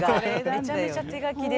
めちゃめちゃ手書きで。